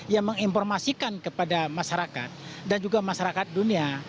yang menginformasikan kepada masyarakat dan juga masyarakat dunia